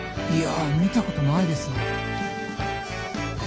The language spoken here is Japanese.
いや見たことないですね。